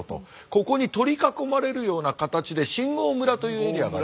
ここに取り囲まれるような形で新郷村というエリアがある。